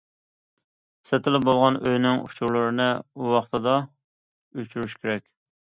سېتىلىپ بولغان ئۆينىڭ ئۇچۇرلىرىنى ۋاقتىدا ئۆچۈرۈش كېرەك.